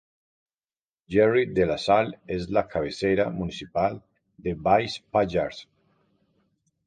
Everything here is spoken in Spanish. Gerri de la Sal es la cabecera municipal de Baix Pallars.